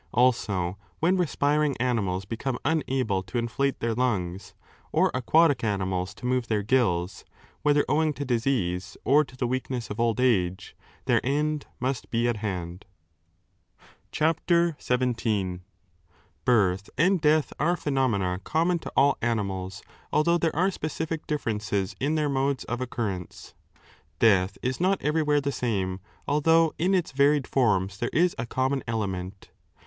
Also when respiring animals become unable to inflate their lungs, or aquatic animals to move their gills, whether owing to disease or to the weakness of old age, their end must be at hand. ^ The aortic bulb, which Aristotle took to be the heart's apex. CHAPTER XVII. BiBTH and death are phenomena common to all animals, although there are specific differences in their modes of occurrence. Death is not everywhere the same, although in its varied forms there is a common element.